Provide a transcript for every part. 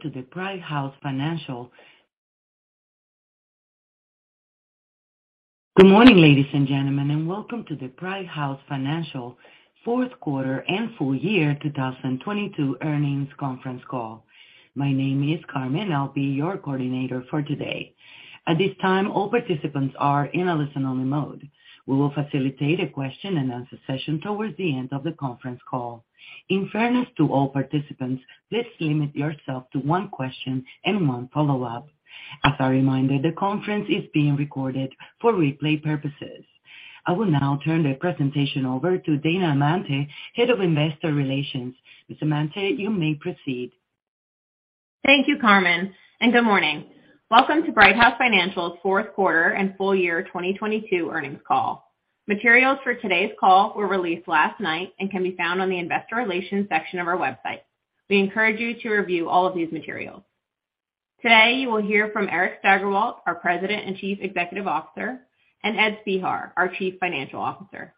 Good morning, ladies and gentlemen, and welcome to the Brighthouse Financial Fourth Quarter and Full Year 2022 Earnings Conference Call. My name is Carmen. I'll be your coordinator for today. At this time, all participants are in a listen-only mode. We will facilitate a question-and-answer session towards the end of the conference call. In fairness to all participants, please limit yourself to one question and one follow-up. As a reminder, the conference is being recorded for replay purposes. I will now turn the presentation over to Dana Amante, Head of Investor Relations. Ms. Amante, you may proceed. Thank you, Carmen, and good morning. Welcome to Brighthouse Financial's Fourth Quarter and Full Year 2022 Earnings Call. Materials for today's call were released last night and can be found on the investor relations section of our website. We encourage you to review all of these materials. Today, you will hear from Eric Steigerwalt, our President and Chief Executive Officer, and Ed Spehar, our Chief Financial Officer.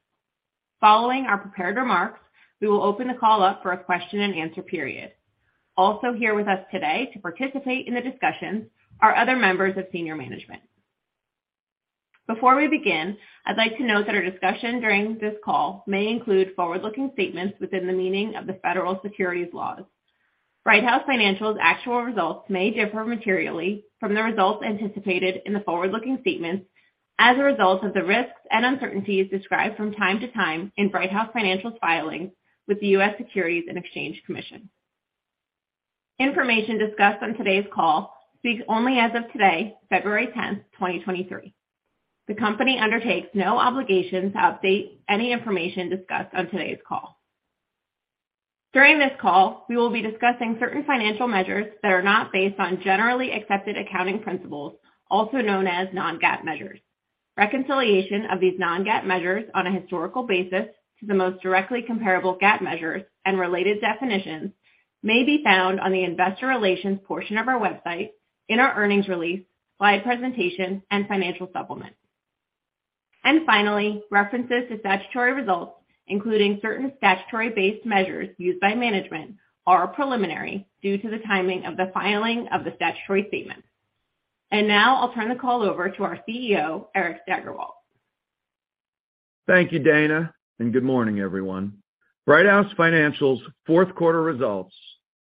Following our prepared remarks, we will open the call up for a question-and-answer period. Also here with us today to participate in the discussion are other members of senior management. Before we begin, I'd like to note that our discussion during this call may include forward-looking statements within the meaning of the federal securities laws. Brighthouse Financial's actual results may differ materially from the results anticipated in the forward-looking statements as a result of the risks and uncertainties described from time to time in Brighthouse Financial's filings with the U.S. Securities and Exchange Commission. Information discussed on today's call speaks only as of today, February 10, 2023. The company undertakes no obligation to update any information discussed on today's call. During this call, we will be discussing certain financial measures that are not based on generally accepted accounting principles, also known as non-GAAP measures. Reconciliation of these non-GAAP measures on a historical basis to the most directly comparable GAAP measures and related definitions may be found on the investor relations portion of our website in our earnings release, slide presentation, and financial supplement. Finally, references to statutory results, including certain statutory-based measures used by management, are preliminary due to the timing of the filing of the statutory statement. Now I'll turn the call over to our CEO, Eric Steigerwalt. Thank you, Dana, and good morning, everyone. Brighthouse Financial's fourth quarter results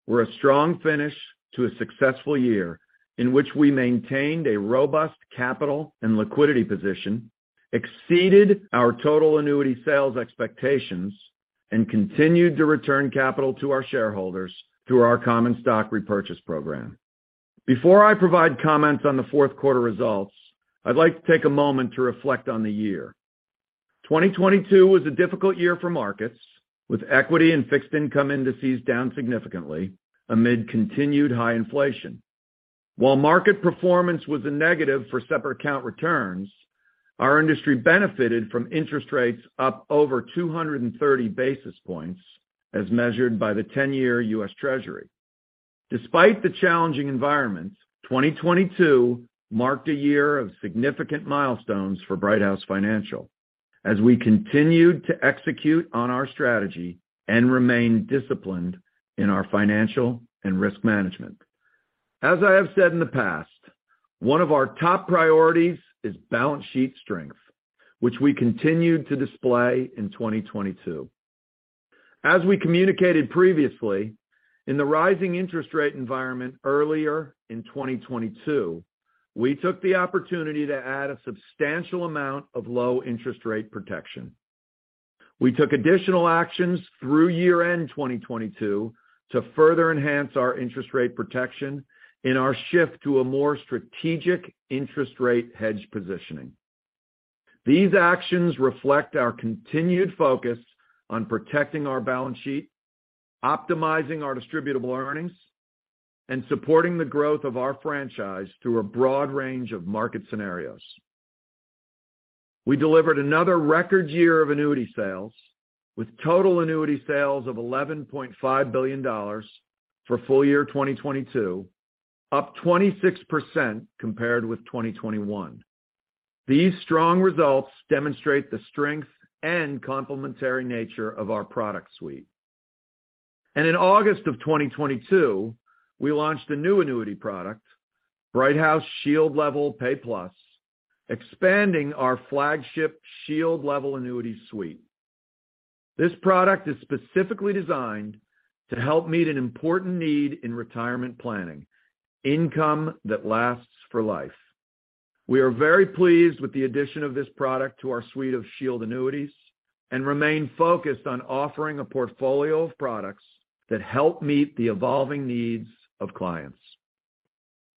were a strong finish to a successful year in which we maintained a robust capital and liquidity position, exceeded our total annuity sales expectations, and continued to return capital to our shareholders through our common stock repurchase program. Before I provide comments on the fourth quarter results, I'd like to take a moment to reflect on the year. 2022 was a difficult year for markets, with equity and fixed income indices down significantly amid continued high inflation. While market performance was a negative for separate account returns, our industry benefited from interest rates up over 230 basis points, as measured by the ten-year U.S. Treasury. Despite the challenging environments, 2022 marked a year of significant milestones for Brighthouse Financial as we continued to execute on our strategy and remain disciplined in our financial and risk management. As I have said in the past, one of our top priorities is balance sheet strength, which we continued to display in 2022. As we communicated previously, in the rising interest rate environment earlier in 2022, we took the opportunity to add a substantial amount of low interest rate protection. We took additional actions through year-end 2022 to further enhance our interest rate protection in our shift to a more strategic interest rate hedge positioning. These actions reflect our continued focus on protecting our balance sheet, optimizing our distributable earnings, and supporting the growth of our franchise through a broad range of market scenarios. We delivered another record year of annuity sales with total annuity sales of $11.5 billion for full year 2022, up 26% compared with 2021. These strong results demonstrate the strength and complementary nature of our product suite. In August of 2022, we launched a new annuity product, Brighthouse Shield Level Pay Plus, expanding our flagship Shield Level annuity suite. This product is specifically designed to help meet an important need in retirement planning: income that lasts for life. We are very pleased with the addition of this product to our suite of Shield annuities and remain focused on offering a portfolio of products that help meet the evolving needs of clients.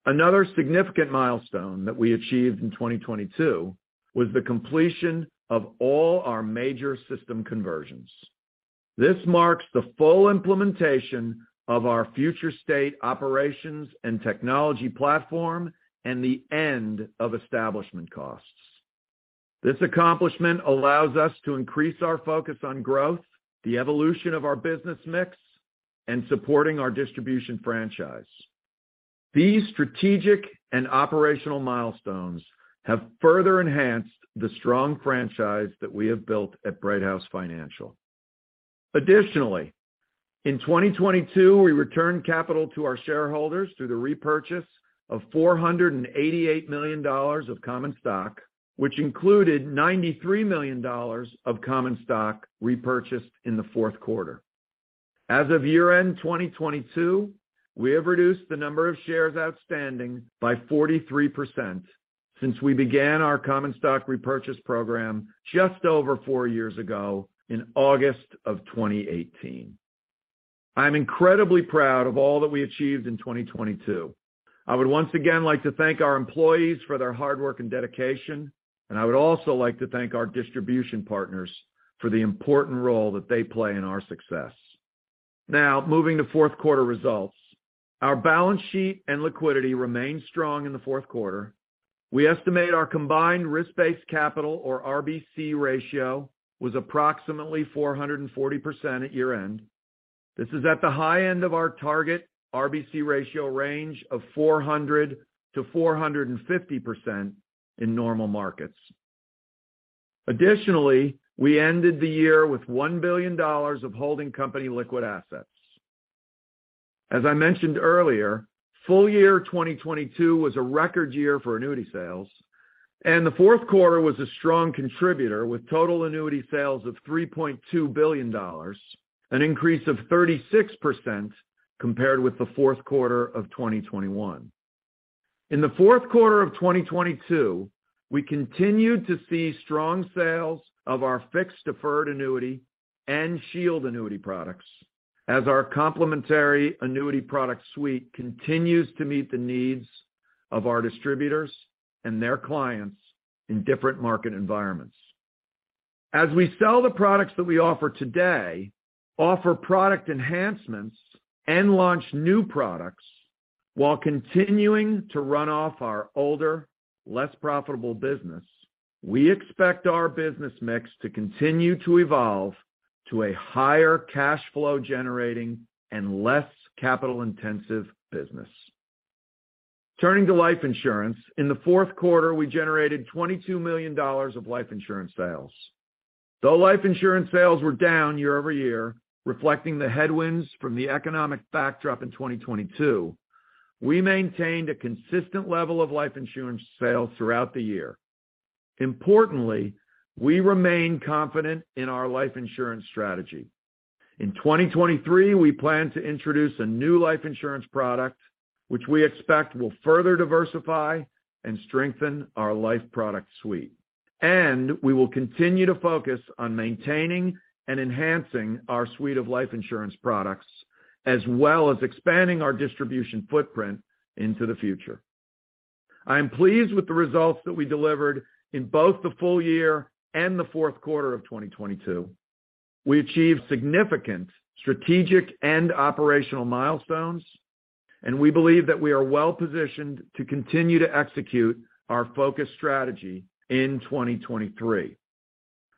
Another significant milestone that we achieved in 2022 was the completion of all our major system conversions. This marks the full implementation of our future state operations and technology platform and the end of establishment costs. This accomplishment allows us to increase our focus on growth, the evolution of our business mix, and supporting our distribution franchise. These strategic and operational milestones have further enhanced the strong franchise that we have built at Brighthouse Financial. In 2022, we returned capital to our shareholders through the repurchase of $488 million of common stock, which included $93 million of common stock repurchased in the fourth quarter. As of year-end 2022, we have reduced the number of shares outstanding by 43% since we began our common stock repurchase program just over four years ago in August of 2018. I'm incredibly proud of all that we achieved in 2022. I would once again like to thank our employees for their hard work and dedication, and I would also like to thank our distribution partners for the important role that they play in our success. Moving to fourth quarter results. Our balance sheet and liquidity remained strong in the fourth quarter. We estimate our combined risk-based capital, or RBC ratio, was approximately 440% at year-end. This is at the high end of our target RBC ratio range of 400%-450% in normal markets. Additionally, we ended the year with $1 billion of holding company liquid assets. As I mentioned earlier, full year 2022 was a record year for annuity sales, and the fourth quarter was a strong contributor with total annuity sales of $3.2 billion, an increase of 36% compared with the fourth quarter of 2021. In the fourth quarter of 2022, we continued to see strong sales of our fixed deferred annuity and Shield annuity products as our complimentary annuity product suite continues to meet the needs of our distributors and their clients in different market environments. As we sell the products that we offer today, offer product enhancements, and launch new products while continuing to run off our older, less profitable business, we expect our business mix to continue to evolve to a higher cash flow generating and less capital-intensive business. Turning to life insurance. In the fourth quarter, we generated $22 million of life insurance sales. Though life insurance sales were down year-over-year, reflecting the headwinds from the economic backdrop in 2022, we maintained a consistent level of life insurance sales throughout the year. Importantly, we remain confident in our life insurance strategy. In 2023, we plan to introduce a new life insurance product, which we expect will further diversify and strengthen our life product suite. We will continue to focus on maintaining and enhancing our suite of life insurance products, as well as expanding our distribution footprint into the future. I am pleased with the results that we delivered in both the full year and the fourth quarter of 2022. We achieved significant strategic and operational milestones, and we believe that we are well-positioned to continue to execute our focus strategy in 2023.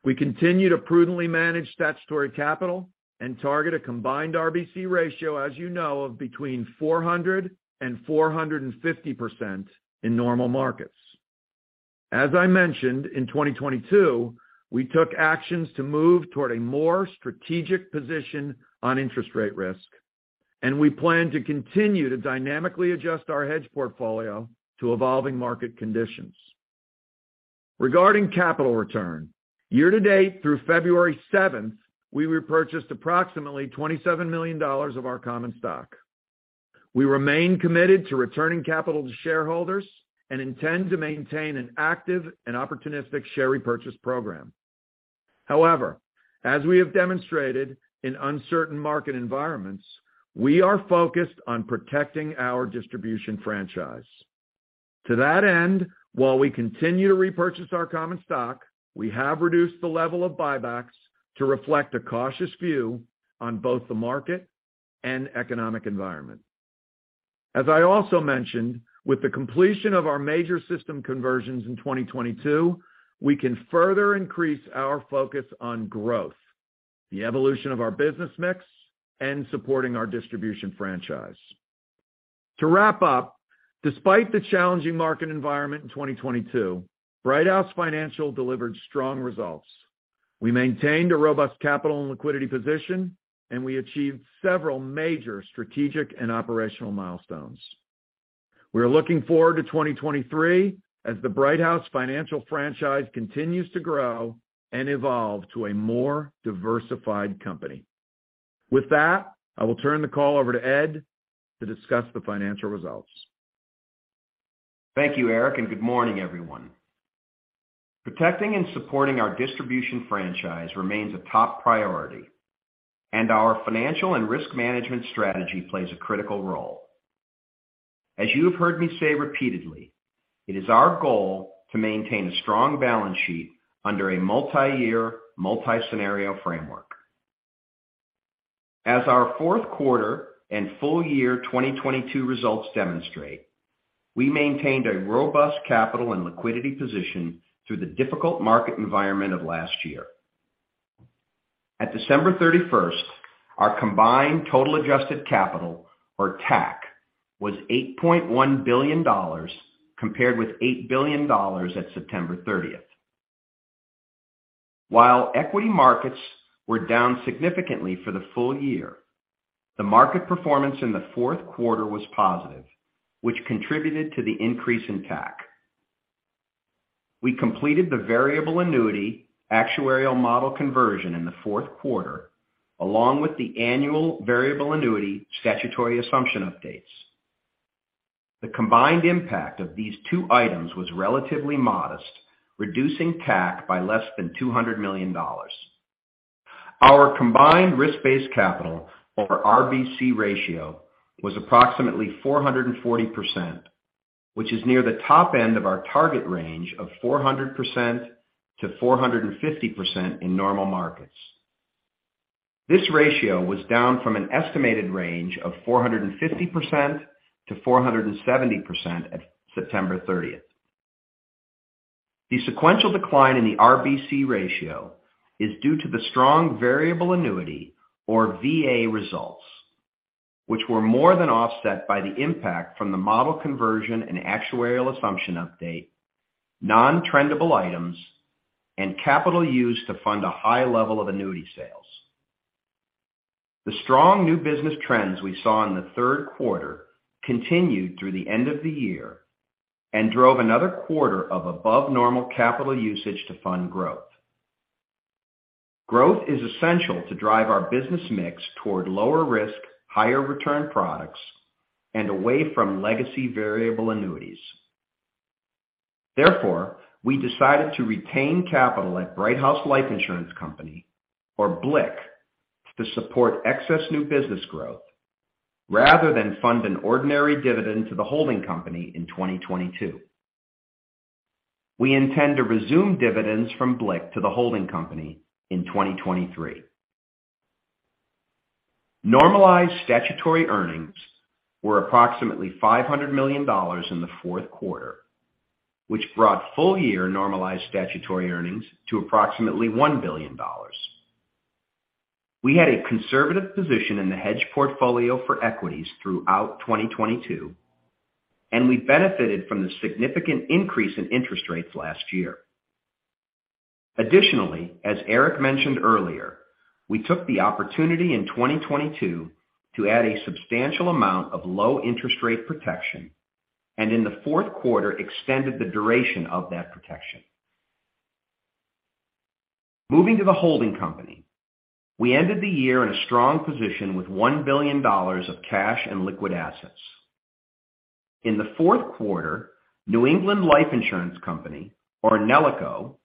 We continue to prudently manage statutory capital and target a combined RBC ratio, as you know, of between 400% and 450% in normal markets. As I mentioned, in 2022, we took actions to move toward a more strategic position on interest rate risk. We plan to continue to dynamically adjust our hedge portfolio to evolving market conditions. Regarding capital return, year to date through February 7th, we repurchased approximately $27 million of our common stock. We remain committed to returning capital to shareholders and intend to maintain an active and opportunistic share repurchase program. However, as we have demonstrated in uncertain market environments, we are focused on protecting our distribution franchise. To that end, while we continue to repurchase our common stock, we have reduced the level of buybacks to reflect a cautious view on both the market and economic environment. As I also mentioned, with the completion of our major system conversions in 2022, we can further increase our focus on growth, the evolution of our business mix, and supporting our distribution franchise. To wrap up, despite the challenging market environment in 2022, Brighthouse Financial delivered strong results. We maintained a robust capital and liquidity position, and we achieved several major strategic and operational milestones. We are looking forward to 2023 as the Brighthouse Financial franchise continues to grow and evolve to a more diversified company. With that, I will turn the call over to Ed to discuss the financial results. Thank you, Eric. Good morning, everyone. Protecting and supporting our distribution franchise remains a top priority. Our financial and risk management strategy plays a critical role. As you have heard me say repeatedly, it is our goal to maintain a strong balance sheet under a multi-year, multi-scenario framework. As our fourth quarter and full year 2022 results demonstrate, we maintained a robust capital and liquidity position through the difficult market environment of last year. At December 31st. Our combined total adjusted capital, or TAC, was $8.1 billion compared with $8 billion at September 30th. While equity markets were down significantly for the full year, the market performance in the fourth quarter was positive, which contributed to the increase in TAC. We completed the variable annuity actuarial model conversion in the fourth quarter, along with the annual variable annuity statutory assumption updates. The combined impact of these two items was relatively modest, reducing TAC by less than $200 million. Our combined risk-based capital or RBC ratio was approximately 440%, which is near the top end of our target range of 400%-450% in normal markets. This ratio was down from an estimated range of 450%-470% at September 30th. The sequential decline in the RBC ratio is due to the strong variable annuity or VA results, which were more than offset by the impact from the model conversion and actuarial assumption update, nontrendable items, and capital used to fund a high level of annuity sales. The strong new business trends we saw in the third quarter continued through the end of the year and drove another quarter of above normal capital usage to fund growth. Growth is essential to drive our business mix toward lower risk, higher return products and away from legacy variable annuities. Therefore, we decided to retain capital at Brighthouse Life Insurance Company, or BLIC, to support excess new business growth rather than fund an ordinary dividend to the holding company in 2022. We intend to resume dividends from BLIC to the holding company in 2023. Normalized statutory earnings were approximately $500 million in the fourth quarter, which brought full year normalized statutory earnings to approximately $1 billion. We had a conservative position in the hedge portfolio for equities throughout 2022, and we benefited from the significant increase in interest rates last year. Additionally, as Eric mentioned earlier, we took the opportunity in 2022 to add a substantial amount of low interest rate protection, and in the fourth quarter extended the duration of that protection. Moving to the holding company, we ended the year in a strong position with $1 billion of cash and liquid assets. In the fourth quarter, New England Life Insurance Company, or NELICO,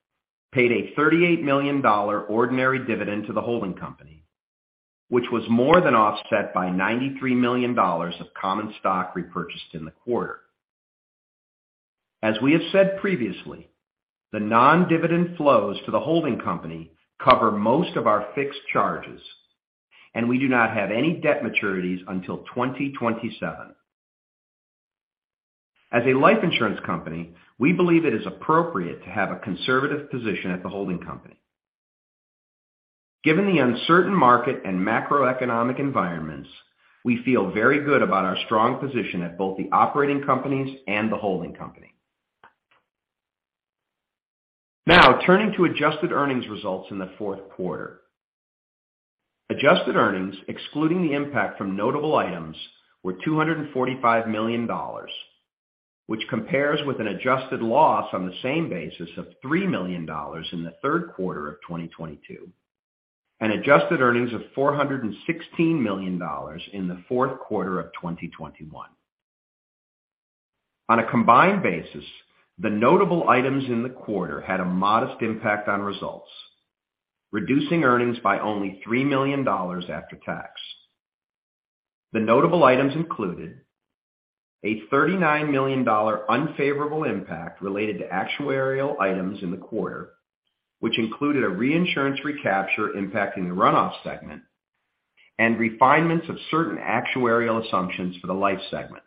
paid a $38 million ordinary dividend to the holding company, which was more than offset by $93 million of common stock repurchased in the quarter. As we have said previously, the non-dividend flows to the holding company cover most of our fixed charges, and we do not have any debt maturities until 2027. As a life insurance company, we believe it is appropriate to have a conservative position at the holding company. Given the uncertain market and macroeconomic environments, we feel very good about our strong position at both the operating companies and the holding company. Turning to adjusted earnings results in the fourth quarter. Adjusted earnings, excluding the impact from notable items, were $245 million, which compares with an adjusted loss on the same basis of $3 million in the third quarter of 2022, and adjusted earnings of $416 million in the fourth quarter of 2021. On a combined basis, the notable items in the quarter had a modest impact on results, reducing earnings by only $3 million after tax. The notable items included a $39 million unfavorable impact related to actuarial items in the quarter, which included a reinsurance recapture impacting the Run-off segment and refinements of certain actuarial assumptions for the Life segment.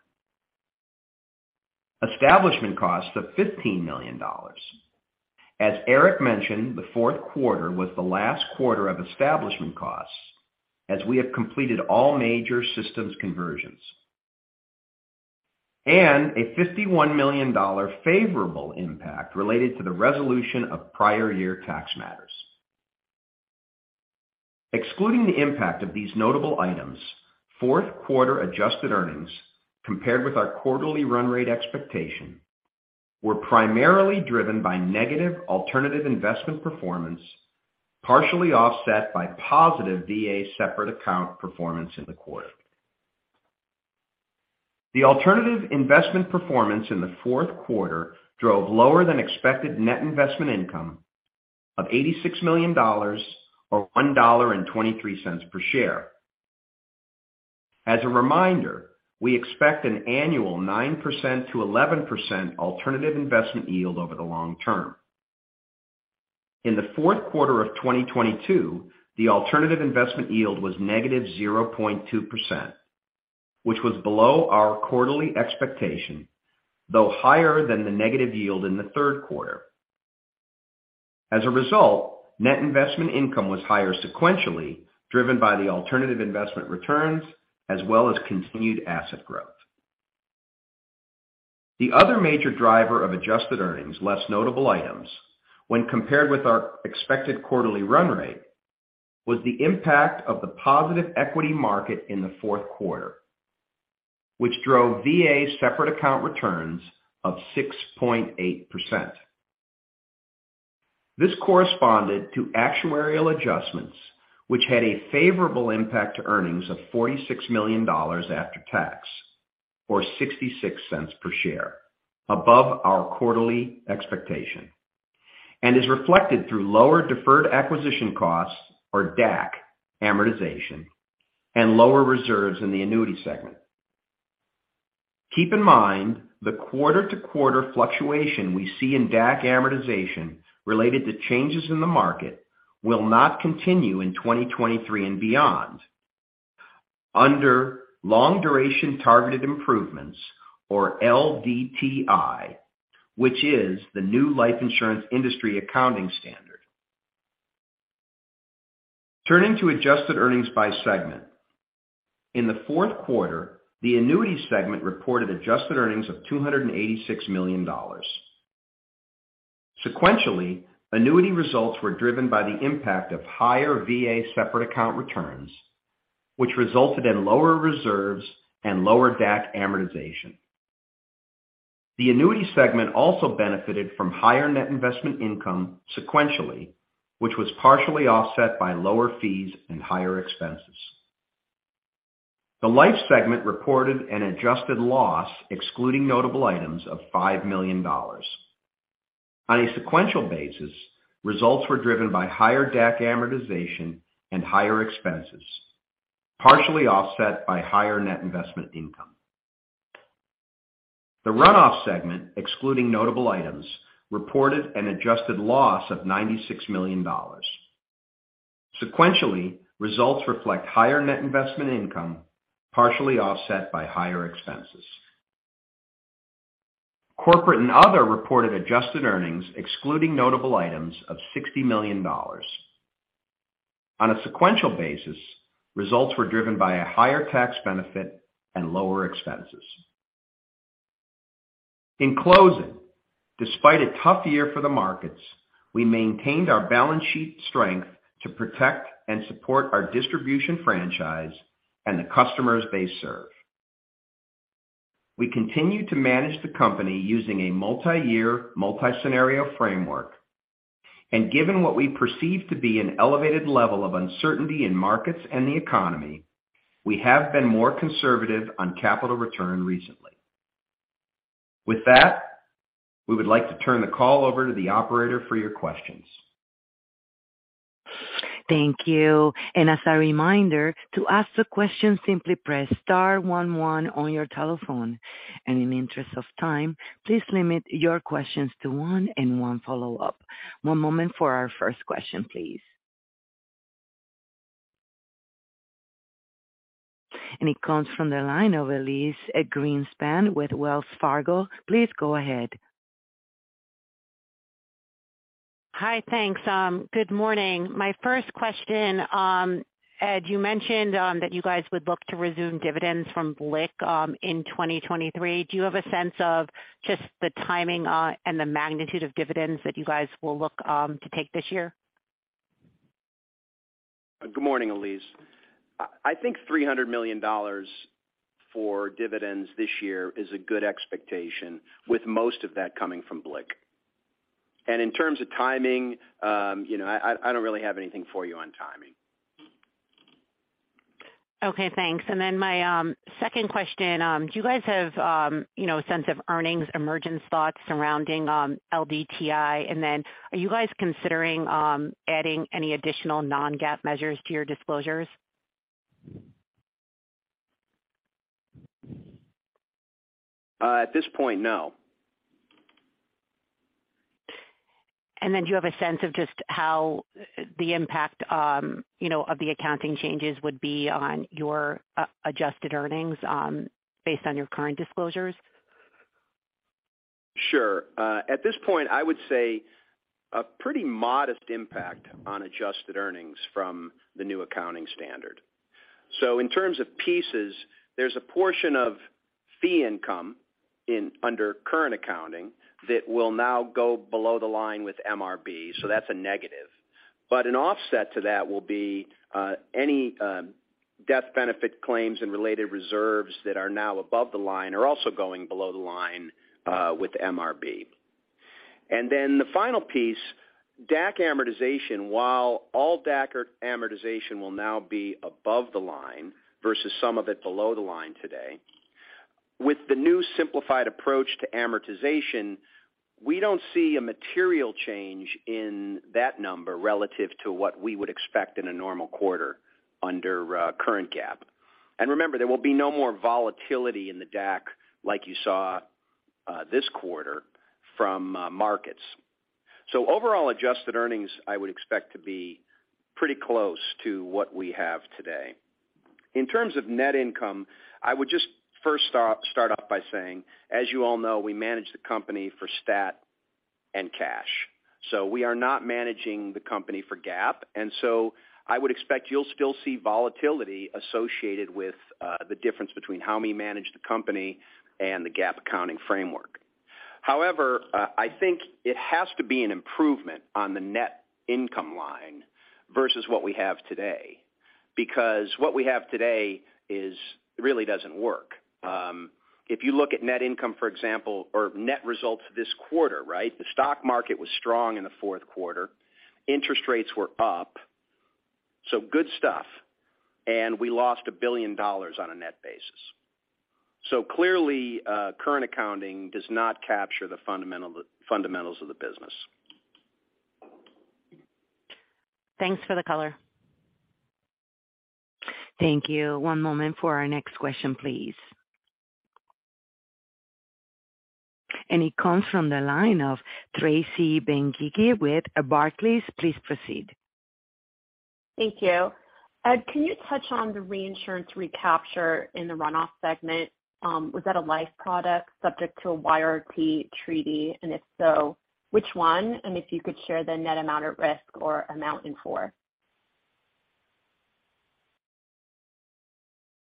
Establishment costs of $15 million. As Eric mentioned, the fourth quarter was the last quarter of establishment costs as we have completed all major systems conversions. A $51 million favorable impact related to the resolution of prior year tax matters. Excluding the impact of these notable items, fourth quarter adjusted earnings compared with our quarterly run rate expectation were primarily driven by negative alternative investment performance, partially offset by positive VA separate account performance in the quarter. The alternative investment performance in the fourth quarter drove lower than expected net investment income of $86 million or $1.23 per share. As a reminder, we expect an annual 9%-11% Alternative Investment Yield over the long term. In the fourth quarter of 2022, the Alternative Investment Yield was negative 0.2%, which was below our quarterly expectation, though higher than the negative yield in the third quarter. Net investment income was higher sequentially, driven by the alternative investment returns as well as continued asset growth. The other major driver of adjusted earnings, less notable items when compared with our expected quarterly run rate, was the impact of the positive equity market in the fourth quarter, which drove VA separate account returns of 6.8%. This corresponded to actuarial adjustments, which had a favorable impact to earnings of $46 million after tax, or $0.66 per share above our quarterly expectation, and is reflected through lower deferred acquisition costs, or DAC amortization and lower reserves in the annuity segment. Keep in mind, the quarter-to-quarter fluctuation we see in DAC amortization related to changes in the market will not continue in 2023 and beyond under long duration targeted improvements, or LDTI, which is the new life insurance industry accounting standard. Turning to adjusted earnings by segment. In the fourth quarter, the Annuity Segment reported adjusted earnings of $286 million. Sequentially, annuity results were driven by the impact of higher VA separate account returns, which resulted in lower reserves and lower DAC amortization. The Annuity Segment also benefited from higher net investment income sequentially, which was partially offset by lower fees and higher expenses. The Life Segment reported an adjusted loss, excluding notable items of $5 million. On a sequential basis, results were driven by higher DAC amortization and higher expenses, partially offset by higher net investment income. The Run-off segment, excluding notable items, reported an adjusted loss of $96 million. Sequentially, results reflect higher net investment income, partially offset by higher expenses. Corporate and other reported adjusted earnings excluding notable items of $60 million. On a sequential basis, results were driven by a higher tax benefit and lower expenses. In closing, despite a tough year for the markets, we maintained our balance sheet strength to protect and support our distribution franchise and the customers they serve. We continue to manage the company using a multi-year, multi-scenario framework. Given what we perceive to be an elevated level of uncertainty in markets and the economy, we have been more conservative on capital return recently. With that, we would like to turn the call over to the operator for your questions. Thank you. As a reminder to ask the question, simply press star one one on your telephone. In the interest of time, please limit your questions to one and one follow-up. one moment for our first question, please. It comes from the line of Elyse Greenspan with Wells Fargo. Please go ahead. Hi. Thanks. Good morning. My first question, Ed, you mentioned that you guys would look to resume dividends from BLIC in 2023. Do you have a sense of just the timing, and the magnitude of dividends that you guys will look to take this year? Good morning, Elyse. I think $300 million for dividends this year is a good expectation, with most of that coming from BLIC. In terms of timing, you know, I don't really have anything for you on timing. Okay, thanks. My second question, do you guys have, you know, a sense of earnings emergence thoughts surrounding LDTI? Are you guys considering adding any additional non-GAAP measures to your disclosures? At this point, no. Do you have a sense of just how the impact, you know, of the accounting changes would be on your adjusted earnings, based on your current disclosures? Sure. At this point, I would say a pretty modest impact on adjusted earnings from the new accounting standard. In terms of pieces, there's a portion of fee income under current accounting that will now go below the line with MRB, so that's a negative. An offset to that will be any death benefit claims and related reserves that are now above the line are also going below the line with MRB. The final piece, DAC amortization, while all DAC amortization will now be above the line versus some of it below the line today, with the new simplified approach to amortization, we don't see a material change in that number relative to what we would expect in a normal quarter under current GAAP. Remember, there will be no more volatility in the DAC like you saw this quarter from markets. Overall adjusted earnings, I would expect to be pretty close to what we have today. In terms of net income, I would just start off by saying, as you all know, we manage the company for stat and cash. We are not managing the company for GAAP. I would expect you'll still see volatility associated with the difference between how we manage the company and the GAAP accounting framework. However, I think it has to be an improvement on the net income line versus what we have today. Because what we have today is, it really doesn't work. If you look at net income, for example, or net results this quarter, right? The stock market was strong in the fourth quarter. Interest rates were up, so good stuff. We lost $1 billion on a net basis. Clearly, current accounting does not capture the fundamentals of the business. Thanks for the color. Thank you. One moment for our next question, please. It comes from the line of Tracy Benguigui with Barclays. Please proceed. Thank you. Can you touch on the reinsurance recapture in the Run-off segment? Was that a Life product subject to a YRT treaty? If so, which one? If you could share the net amount at risk or amount in for.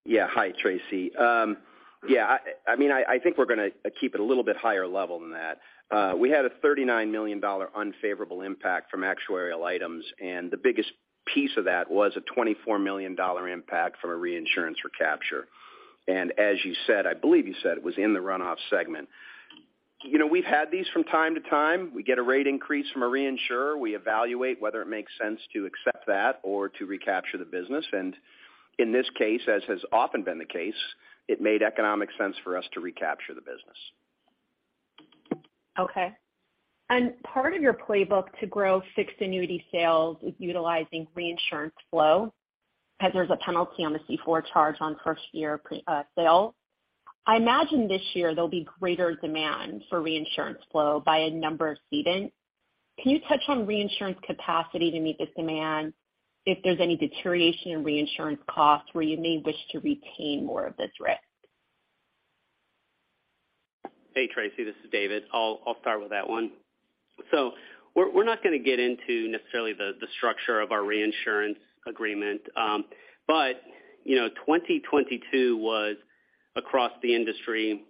Yeah. Hi, Tracy. Yeah, I mean, I think we're gonna keep it a little bit higher level than that. We had a $39 million unfavorable impact from actuarial items, and the biggest piece of that was a $24 million impact from a reinsurance recapture. As you said, I believe you said, it was in the Run-off segment. You know, we've had these from time to time. We get a rate increase from a reinsurer. We evaluate whether it makes sense to accept that or to recapture the business. In this case, as has often been the case, it made economic sense for us to recapture the business. Okay. Part of your playbook to grow fixed annuity sales is utilizing reinsurance flow because there's a penalty on the C4 charge on first year pre-sale. I imagine this year there'll be greater demand for reinsurance flow by a number of cedants. Can you touch on reinsurance capacity to meet this demand if there's any deterioration in reinsurance costs where you may wish to retain more of this risk? Hey, Tracy, this is David. I'll start with that one. We're not gonna get into necessarily the structure of our reinsurance agreement. You know, 2022 was across the industry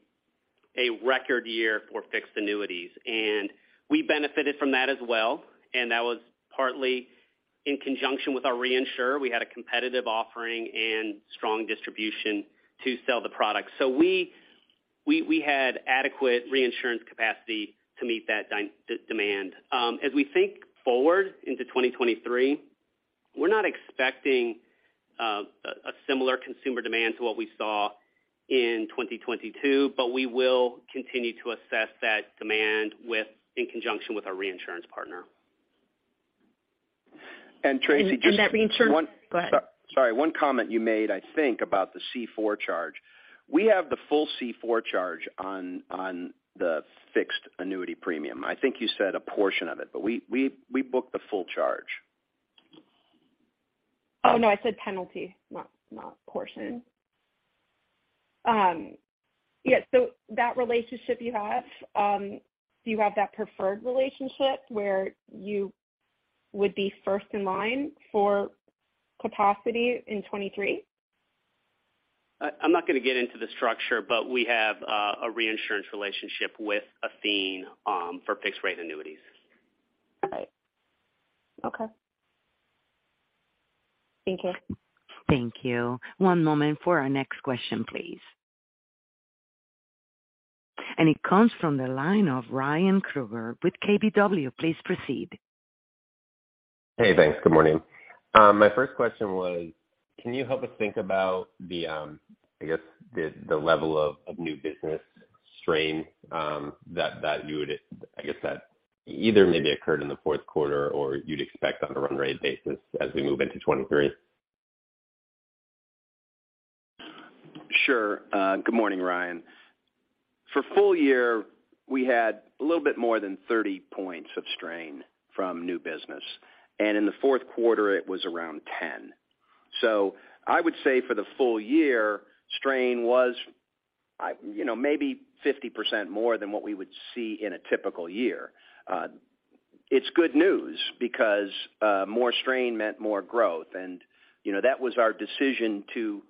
a record year for fixed annuities, and we benefited from that as well. That was partly in conjunction with our reinsurer. We had a competitive offering and strong distribution to sell the product. We had adequate reinsurance capacity to meet that demand. As we think forward into 2023, we're not expecting a similar consumer demand to what we saw in 2022, but we will continue to assess that demand in conjunction with our reinsurance partner. Tracy, just one... That reinsurer. Go ahead. Sorry. One comment you made, I think about the C4 charge. We have the full C4 charge on the fixed annuity premium. I think you said a portion of it, but we book the full charge. Oh, no, I said penalty, not portion. Yeah, that relationship you have, do you have that preferred relationship where you would be first in line for capacity in 23? I'm not gonna get into the structure, but we have a reinsurance relationship with Athene for fixed rate annuities. All right. Okay. Thank you. Thank you. One moment for our next question, please. It comes from the line of Ryan Krueger with KBW. Please proceed. Hey, thanks. Good morning. My first question was, can you help us think about the, I guess the level of new business strain, that you would, I guess, that either maybe occurred in the fourth quarter or you'd expect on a run rate basis as we move into 2023? Good morning, Ryan. For full year, we had a little bit more than 30 points of strain from new business. In the fourth quarter it was around 10. I would say for the full year, strain was, you know, maybe 50% more than what we would see in a typical year. It's good news because more strain meant more growth. You know, that was our decision to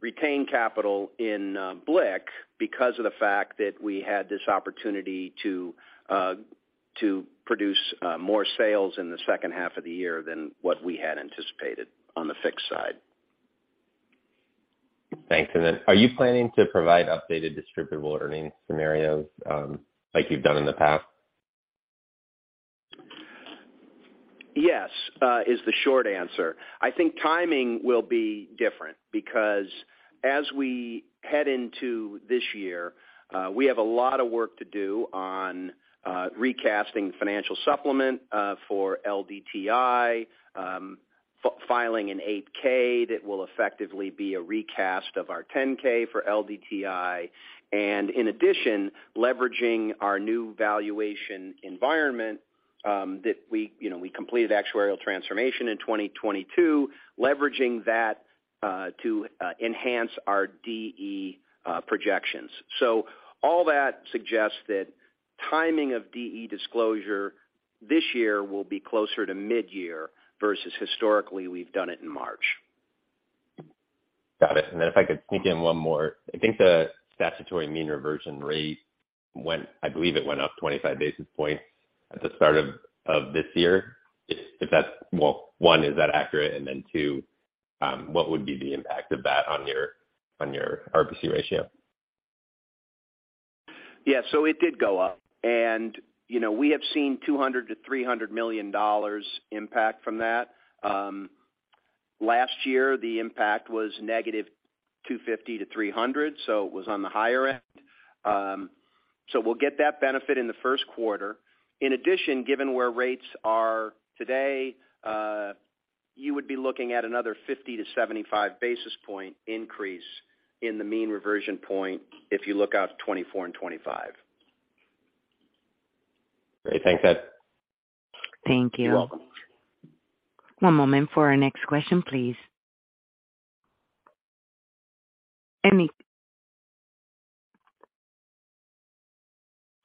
retain capital in BLIC because of the fact that we had this opportunity to produce more sales in the second half of the year than what we had anticipated on the fixed side. Thanks. Then are you planning to provide updated distributable earnings scenarios, like you've done in the past? Yes, is the short answer. I think timing will be different because as we head into this year, we have a lot of work to do on recasting the financial supplement for LDTI, filing an 8-K that will effectively be a recast of our 10-K for LDTI. In addition, leveraging our new valuation environment, that we, you know, we completed actuarial transformation in 2022, leveraging that to enhance our DE projections. All that suggests that timing of DE disclosure this year will be closer to midyear versus historically we've done it in March. Got it. If I could sneak in one more. I think the statutory mean reversion rate went... I believe it went up 25 basis points at the start of this year. If that's Well, one, is that accurate? Two, what would be the impact of that on your, on your RBC ratio? It did go up. You know, we have seen $200 million-$300 million impact from that. Last year, the impact was -$250 million to -$300 million, it was on the higher end. We'll get that benefit in the first quarter. In addition, given where rates are today, you would be looking at another 50-75 basis point increase in the mean reversion point if you look out 2024 and 2025. Great. Thanks, Ed. Thank you. You're welcome. One moment for our next question, please.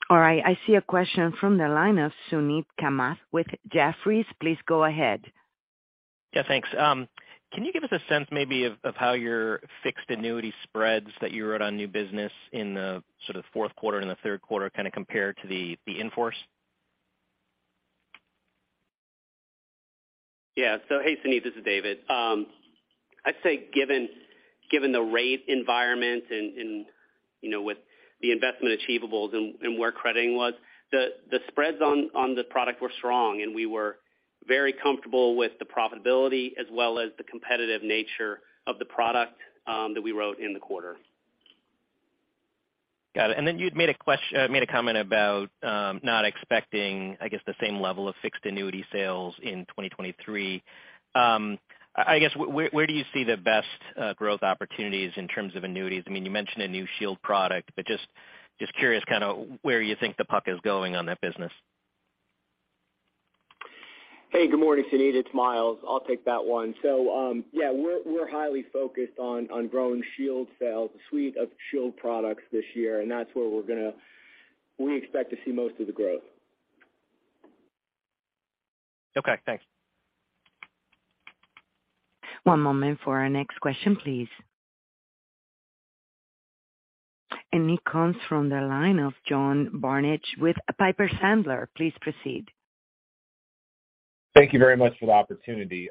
All right. I see a question from the line of Suneet Kamath with Jefferies. Please go ahead. Yeah, thanks. Can you give us a sense maybe of how your fixed annuity spreads that you wrote on new business in the sort of fourth quarter and the third quarter kind of compare to the in-force? Hey, Suneet, this is David. I'd say given the rate environment and, you know, with the investment achievables and where crediting was, the spreads on the product were strong, and we were very comfortable with the profitability as well as the competitive nature of the product that we wrote in the quarter. Got it. Then you'd made a comment about not expecting, I guess, the same level of fixed annuity sales in 2023. I guess where do you see the best growth opportunities in terms of annuities? I mean, you mentioned a new Shield product, but just curious kind of where you think the puck is going on that business. Hey, good morning, Suneet, it's Myles. I'll take that one. Yeah, we're highly focused on growing Shield sales, the suite of Shield products this year. That's where we expect to see most of the growth. Okay, thanks. One moment for our next question, please. It comes from the line of John Barnidge with Piper Sandler. Please proceed. Thank you very much for the opportunity.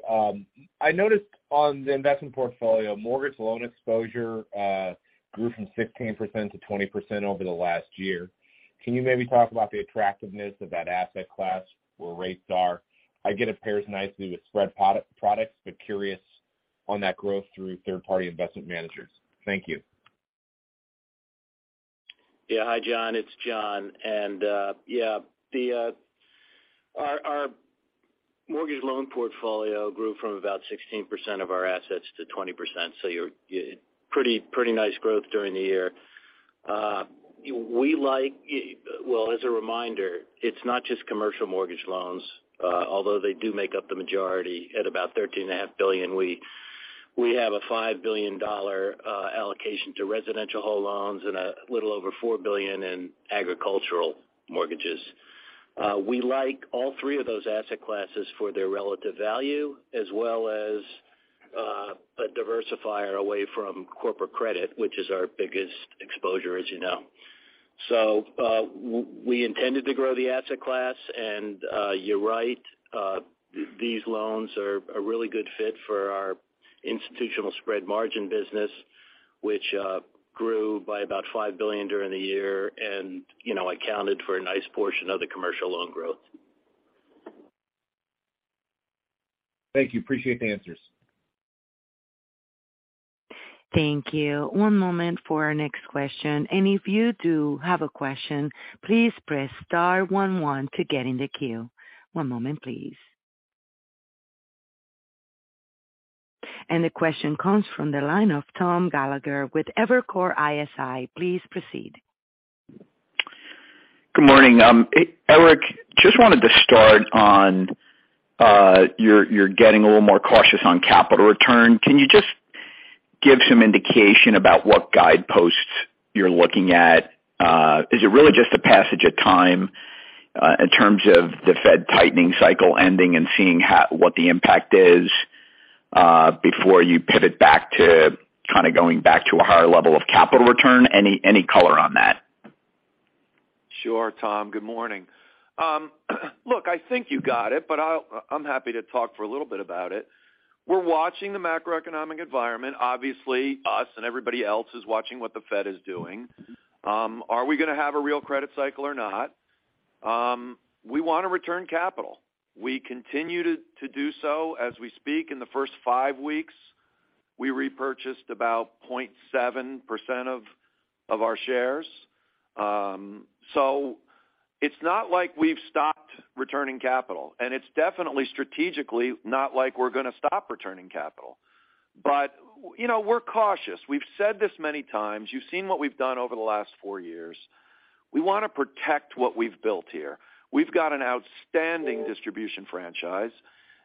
I noticed on the investment portfolio, mortgage loan exposure grew from 16% to 20% over the last year. Can you maybe talk about the attractiveness of that asset class, where rates are? I get it pairs nicely with spread products, but curious on that growth through third-party investment managers. Thank you. Hi, John, it's John. Our mortgage loan portfolio grew from about 16% of our assets to 20%. You're pretty nice growth during the year. Well, as a reminder, it's not just commercial mortgage loans, although they do make up the majority at about $13.5 billion. We have a $5 billion allocation to residential whole loans and a little over $4 billion in agricultural mortgages. We like all three of those asset classes for their relative value as well as a diversifier away from corporate credit, which is our biggest exposure, as you know. We intended to grow the asset class. You're right. These loans are a really good fit for our institutional spread margin business, which grew by about $5 billion during the year and, you know, accounted for a nice portion of the commercial loan growth. Thank you. Appreciate the answers. Thank you. One moment for our next question. If you do have a question, please press star one one to get in the queue. One moment, please. The question comes from the line of Tom Gallagher with Evercore ISI. Please proceed. Good morning. Eric, just wanted to start on your, you're getting a little more cautious on capital return. Can you just give some indication about what guideposts you're looking at? Is it really just a passage of time in terms of the Fed tightening cycle ending and seeing what the impact is before you pivot back to kind of going back to a higher level of capital return? Any, any color on that? Sure, Tom. Good morning. Look, I think you got it, but I'm happy to talk for a little bit about it. We're watching the macroeconomic environment. Obviously, us and everybody else is watching what the Fed is doing. Are we gonna have a real credit cycle or not? We want to return capital. We continue to do so as we speak. In the first five weeks, we repurchased about 0.7% of our shares. It's not like we've stopped returning capital, and it's definitely strategically not like we're gonna stop returning capital. You know, we're cautious. We've said this many times. You've seen what we've done over the last four years. We want to protect what we've built here. We've got an outstanding distribution franchise,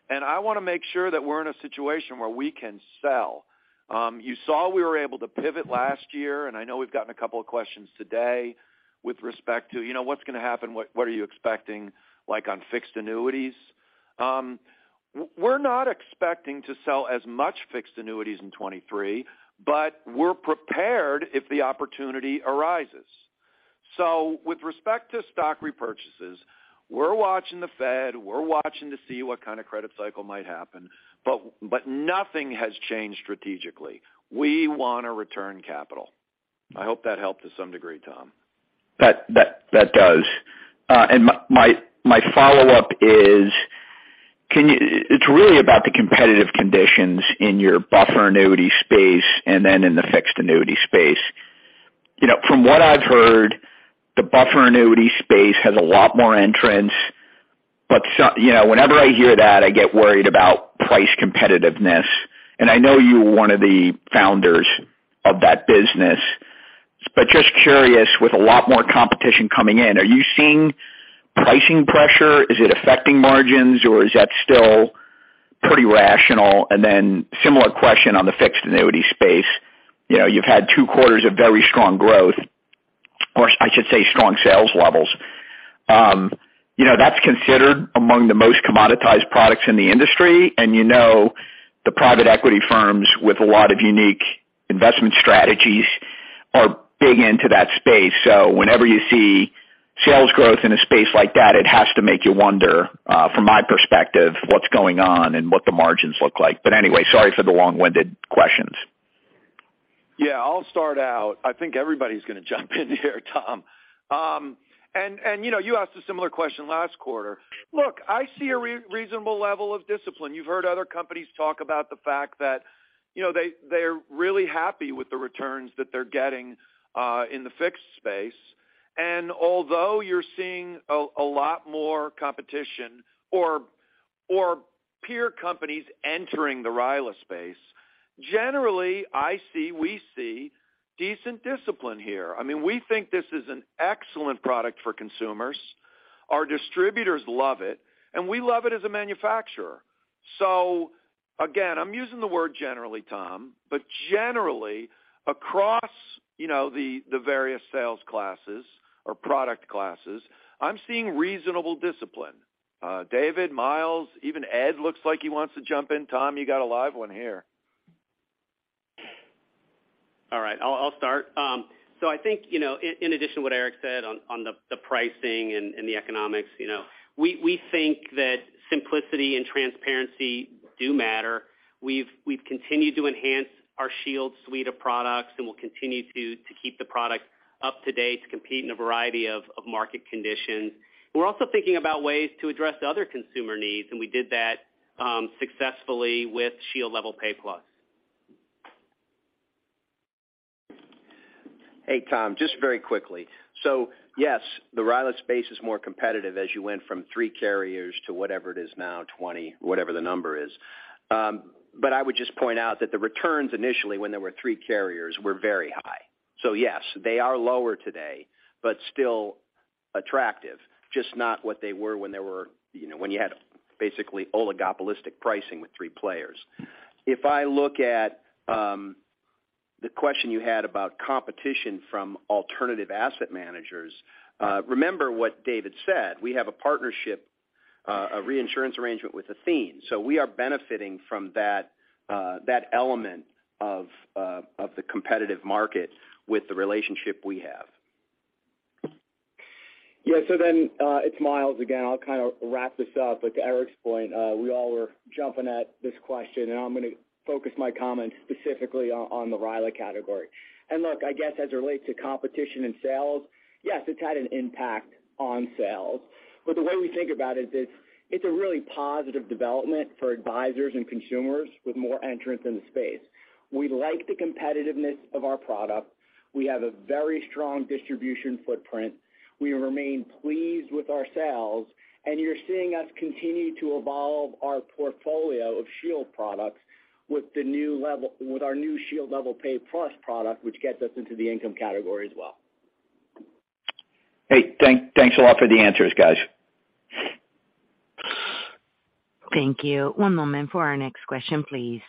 and I want to make sure that we're in a situation where we can sell. You saw we were able to pivot last year, and I know we've gotten a couple of questions today with respect to, you know, what's going to happen? What are you expecting, like, on fixed annuities? We're not expecting to sell as much fixed annuities in 2023, but we're prepared if the opportunity arises. With respect to stock repurchases, we're watching the Fed, we're watching to see what kind of credit cycle might happen, but nothing has changed strategically. We want to return capital. I hope that helped to some degree, Tom. That does. And my follow-up is, can you, it's really about the competitive conditions in your buffer annuity space and then in the fixed annuity space. You know, from what I've heard, the buffer annuity space has a lot more entrants. You know, whenever I hear that, I get worried about price competitiveness, and I know you were one of the founders of that business. Just curious, with a lot more competition coming in, are you seeing pricing pressure? Is it affecting margins, or is that still pretty rational? Similar question on the fixed annuity space. You know, you've had two quarters of very strong growth, or I should say strong sales levels. You know, that's considered among the most commoditized products in the industry, and you know the private equity firms with a lot of unique investment strategies are big into that space. Whenever you see sales growth in a space like that, it has to make you wonder, from my perspective, what's going on and what the margins look like. Anyway, sorry for the long-winded questions. Yeah, I'll start out. I think everybody's gonna jump in here, Tom. You know, you asked a similar question last quarter. Look, I see a reasonable level of discipline. You've heard other companies talk about the fact that, you know, they're really happy with the returns that they're getting in the fixed space. Although you're seeing a lot more competition or peer companies entering the RILA space, generally, we see decent discipline here. I mean, we think this is an excellent product for consumers. Our distributors love it, and we love it as a manufacturer. Again, I'm using the word generally, Tom, but generally, across, you know, the various sales classes or product classes, I'm seeing reasonable discipline. David, Miles, even Ed looks like he wants to jump in. Tom, you got a live one here. All right, I'll start. I think, you know, in addition to what Eric said on the pricing and the economics, you know, we think that simplicity and transparency do matter. We've continued to enhance our Shield suite of products, and we'll continue to keep the product up to date to compete in a variety of market conditions. We're also thinking about ways to address other consumer needs, and we did that successfully with Shield Level Pay Plus. Hey, Tom, just very quickly. Yes, the RILA space is more competitive as you went from three carriers to whatever it is now, 20, whatever the number is. I would just point out that the returns initially when there were three carriers were very high. Yes, they are lower today, but still attractive, just not what they were when there were, you know, when you had basically oligopolistic pricing with three players. If I look at the question you had about competition from alternative asset managers, remember what David said. We have a partnership, a reinsurance arrangement with Athene, we are benefiting from that element of the competitive market with the relationship we have. Miles again. I'll kind of wrap this up. To Eric's point, we all were jumping at this question, and I'm gonna focus my comments specifically on the RILA category. Look, I guess as it relates to competition and sales, yes, it's had an impact on sales. The way we think about it is it's a really positive development for advisors and consumers with more entrants in the space. We like the competitiveness of our product. We have a very strong distribution footprint. We remain pleased with our sales, and you're seeing us continue to evolve our portfolio of Shield products with our new Shield Level Pay Plus product, which gets us into the income category as well. Hey, thanks a lot for the answers, guys. Thank you. One moment for our next question, please.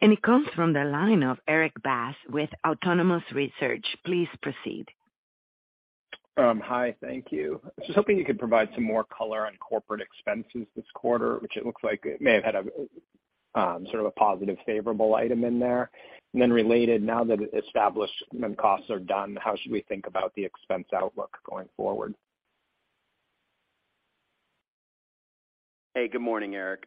It comes from the line of Erik Bass with Autonomous Research. Please proceed. Hi. Thank you. Just hoping you could provide some more color on corporate expenses this quarter, which it looks like it may have had a positive favorable item in there. Related, now that establishment costs are done, how should we think about the expense outlook going forward? Good morning, Eric.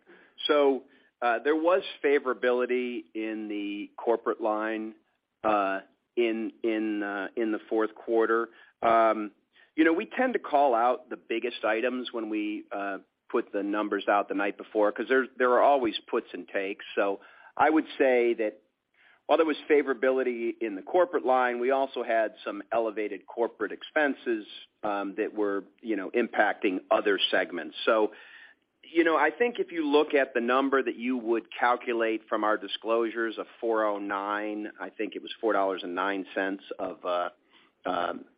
There was favorability in the corporate line in the fourth quarter. You know, we tend to call out the biggest items when we put the numbers out the night before because there are always puts and takes. I would say that while there was favorability in the corporate line, we also had some elevated corporate expenses that were, you know, impacting other segments. You know, I think if you look at the number that you would calculate from our disclosures of $4.09, I think it was $4.09 of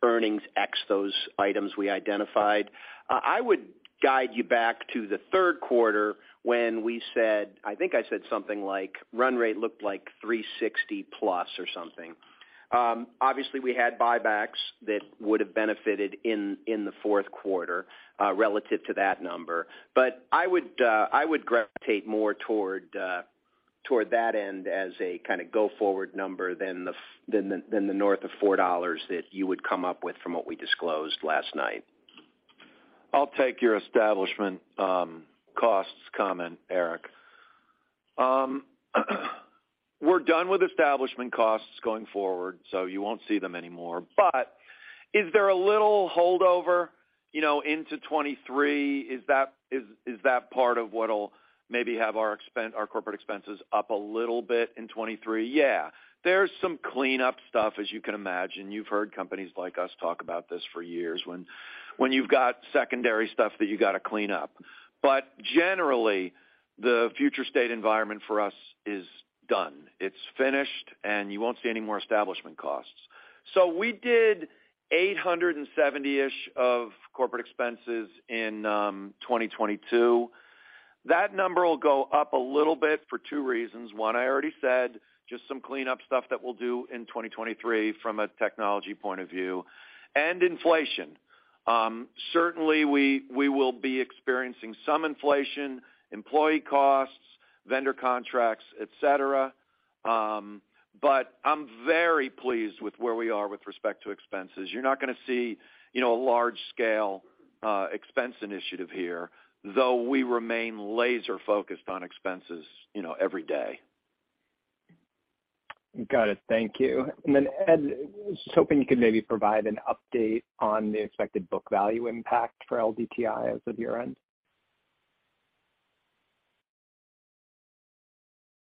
earnings X those items we identified. I would guide you back to the third quarter when we said, I think I said something like run rate looked like $3.60 plus or something. Obviously we had buybacks that would have benefited in the fourth quarter relative to that number. I would I would gravitate more toward toward that end as a kind of go forward number than the north of $4 that you would come up with from what we disclosed last night. I'll take your establishment costs comment, Erik. We're done with establishment costs going forward, so you won't see them anymore. Is there a little holdover, you know, into 2023? Is that part of what'll maybe have our corporate expenses up a little bit in 2023? Yeah. There's some cleanup stuff, as you can imagine. You've heard companies like us talk about this for years when you've got secondary stuff that you got to clean up. Generally, the future state environment for us is done. It's finished, and you won't see any more establishment costs. We did $870-ish of corporate expenses in 2022. That number will go up a little bit for two reasons. One, I already said, just some cleanup stuff that we'll do in 2023 from a technology point of view. Inflation. Certainly we will be experiencing some inflation, employee costs, vendor contracts, et cetera. I'm very pleased with where we are with respect to expenses. You're not going to see, you know, a large scale expense initiative here, though we remain laser focused on expenses, you know, every day. Got it. Thank you. Ed, just hoping you could maybe provide an update on the expected book value impact for LDTI as of year-end.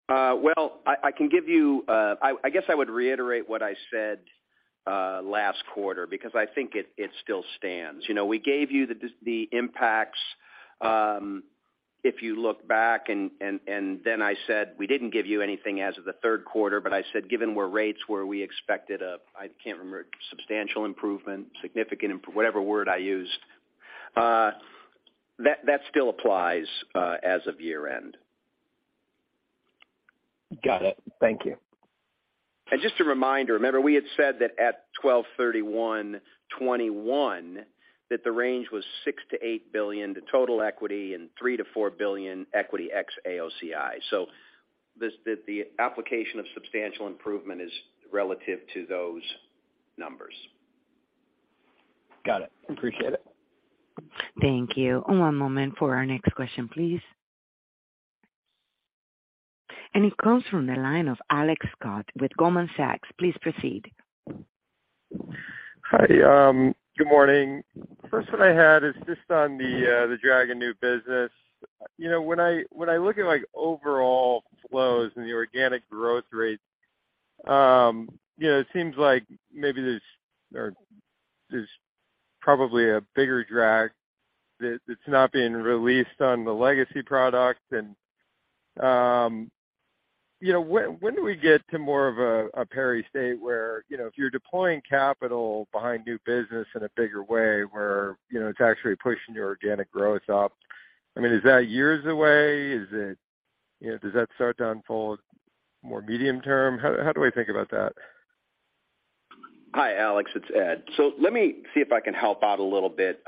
Well, I can give you. I guess I would reiterate what I said last quarter because I think it still stands. You know, we gave you the impacts, if you look back and then I said we didn't give you anything as of the third quarter, but I said, given where rates were, we expected a, I can't remember, substantial improvement, significant, whatever word I used. That still applies as of year-end. Got it. Thank you. Just a reminder, remember we had said that at 12/31/2021 that the range was $6 billion-$8 billion to total equity and $3 billion-$4 billion equity ex AOCI. This, the application of substantial improvement is relative to those numbers. Got it. Appreciate it. Thank you. One moment for our next question, please. It comes from the line of Alex Scott with Goldman Sachs. Please proceed. Hi, good morning. First one I had is just on the drag in new business. You know, when I, when I look at like overall flows and the organic growth rates, you know, it seems like maybe there's, or there's probably a bigger drag that it's not being released on the legacy product. You know, when do we get to more of a parity state where, you know, if you're deploying capital behind new business in a bigger way where, you know, it's actually pushing your organic growth up. I mean, is that years away? Is it, you know, does that start to unfold more medium term? How, how do I think about that? Hi, Alex. It's Ed. Let me see if I can help out a little bit.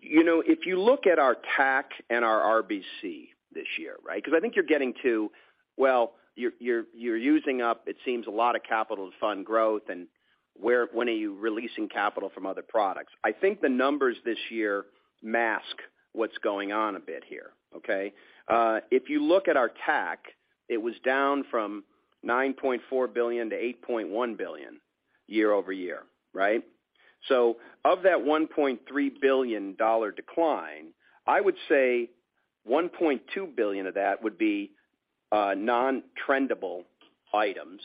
you know, if you look at our TAC and our RBC this year, right? I think you're getting to, well, you're using up, it seems a lot of capital to fund growth and when are you releasing capital from other products? I think the numbers this year mask what's going on a bit here, okay? If you look at our TAC, it was down from $9.4 billion to $8.1 billion year-over-year, right? Of that $1.3 billion decline, I would say $1.2 billion of that would be non-trendable items.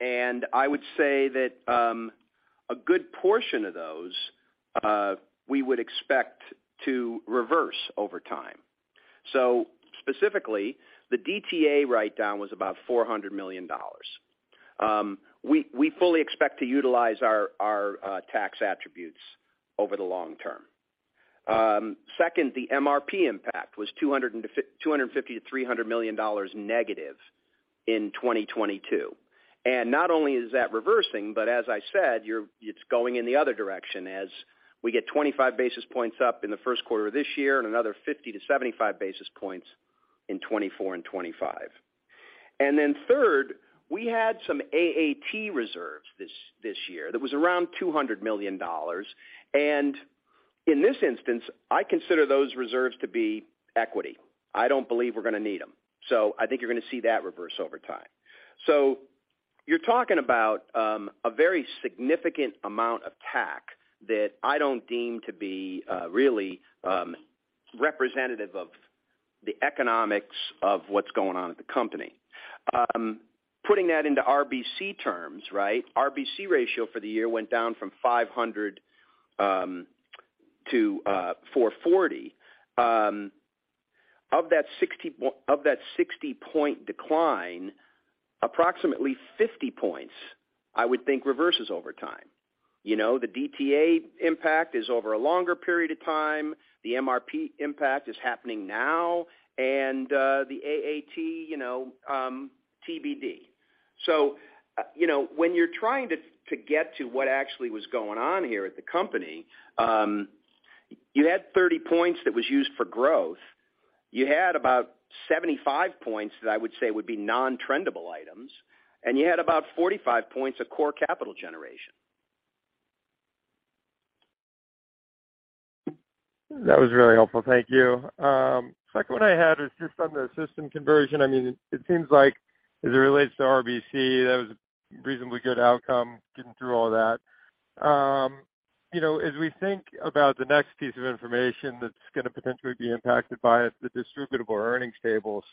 I would say that a good portion of those we would expect to reverse over time. Specifically, the DTA write down was about $400 million. We fully expect to utilize our tax attributes over the long term. Second, the MRB impact was $250 million-$300 million negative in 2022. Not only is that reversing, but as I said, it's going in the other direction as we get 25 basis points up in the first quarter of this year and another 50-75 basis points in 2024 and 2025. Third, we had some AAT reserves this year that was around $200 million. In this instance, I consider those reserves to be equity. I don't believe we're going to need them. I think you're going to see that reverse over time. You're talking about a very significant amount of TAC that I don't deem to be really representative of the economics of what's going on at the company. Putting that into RBC terms, right? RBC ratio for the year went down from 500 to 440. Of that 60-point decline, approximately 50 points, I would think reverses over time. You know, the DTA impact is over a longer period of time, the MRB impact is happening now, and the AAT, you know, TBD. You know, when you're trying to get to what actually was going on here at the company, you had 30 points that was used for growth. You had about 75 points that I would say would be non-trendable items, and you had about 45 points of core capital generation. That was very helpful. Thank you. Second one I had was just on the system conversion. I mean, it seems like as it relates to RBC, that was a reasonably good outcome getting through all that. You know, as we think about the next piece of information that's gonna potentially be impacted by the distributable earnings tables,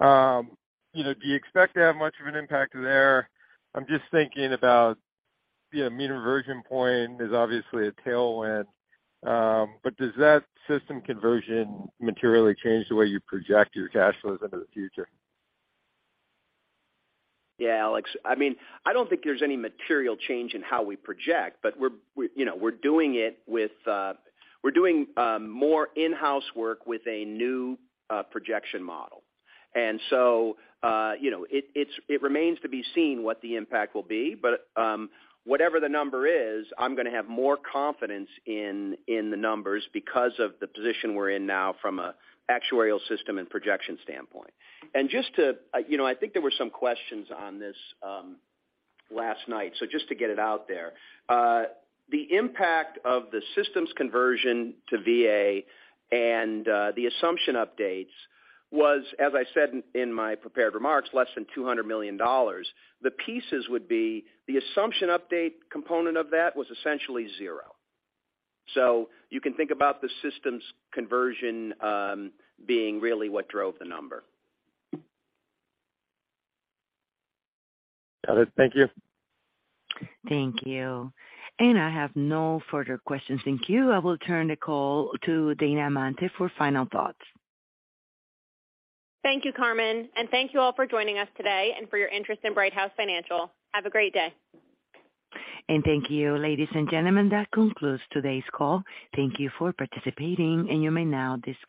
you know, do you expect to have much of an impact there? I'm just thinking about, you know, mean reversion point is obviously a tailwind, but does that system conversion materially change the way you project your cash flows into the future? Alex. I mean, I don't think there's any material change in how we project, but we, you know, we're doing it with, we're doing more in-house work with a new projection model. So, you know, it remains to be seen what the impact will be, but whatever the number is, I'm gonna have more confidence in the numbers because of the position we're in now from a actuarial system and projection standpoint. Just to, you know, I think there were some questions on this last night, so just to get it out there. The impact of the systems conversion to VA and the assumption updates was, as I said in my prepared remarks, less than $200 million. The pieces would be the assumption update component of that was essentially zero. You can think about the systems conversion, being really what drove the number. Got it. Thank you. Thank you. I have no further questions. Thank you. I will turn the call to Dana Amante for final thoughts. Thank you, Carmen. Thank you all for joining us today and for your interest in Brighthouse Financial. Have a great day. Thank you, ladies and gentlemen. That concludes today's call. Thank you for participating, and you may now disconnect.